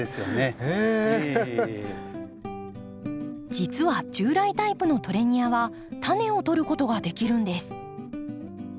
実は従来タイプのトレニアは種をとることができるんです。